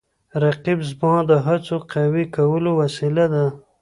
رقیب زما د هڅو د قوي کولو وسیله ده